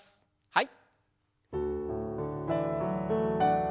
はい。